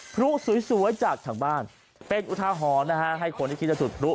พลุสวยจากทางบ้านเป็นอุทาหรณ์นะฮะให้คนที่คิดจะจุดพลุ